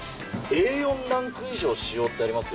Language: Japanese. Ａ４ランク以上使用ってあります。